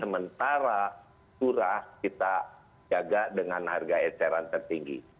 sementara curah kita jaga dengan harga eceran tertinggi